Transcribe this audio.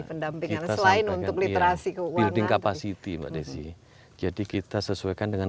pendampingan selain untuk literasi building capacity mbak desi jadi kita sesuaikan dengan